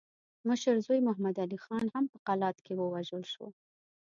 مشر زوی محمد علي خان هم په قلات کې ووژل شو.